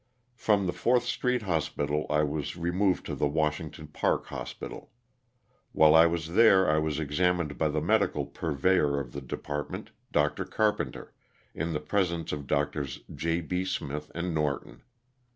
From the Fourth Street Hospital I was removed to the Washington Park Hospital. While I was there I was examined by the medical purveyor of the depart ment, Dr. Carpenter, in the presence of Drs. J. B. Smith and Norton.